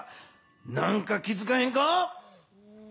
何か気づかへんか？